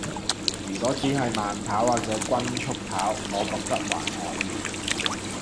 如果只係慢跑或者均速跑，我覺得還可以